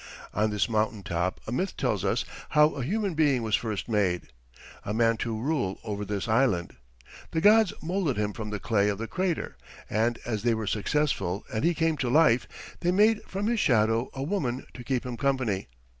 On this mountain top a myth tells us how a human being was first made a man to rule over this island. The gods molded him from the clay of the crater, and as they were successful and he came to life, they made from his shadow a woman to keep him company.